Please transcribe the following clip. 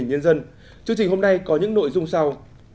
chương trình hôm nay có những nội dung sau